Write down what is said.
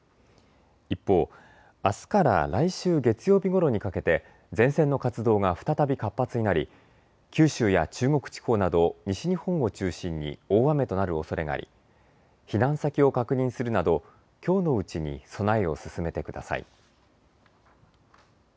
一方、あすから来週月曜日ごろにかけて前線の活動が再び活発になり九州や中国地方など西日本を中心に大雨となるおそれがあり避難先を確認するなどきょうのうちに備えを進めてください。